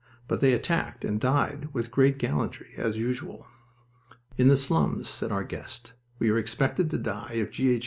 But they attacked, and died, with great gallantry, as usual. "In the slums," said our guest, "we are expected to die if G. H.